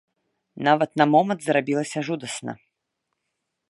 Нават на момант зрабілася жудасна.